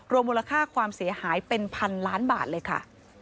มูลค่าความเสียหายเป็นพันล้านบาทเลยค่ะ